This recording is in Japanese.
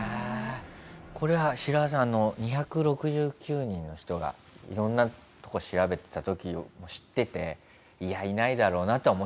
これはシラワさん２６９人の人がいろんな所を調べてた時知ってていやいないだろうなとは思ってたんですか？